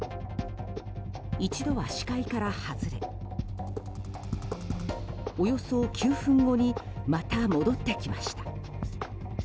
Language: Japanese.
一度は視界から外れおよそ９分後にまた戻ってきました。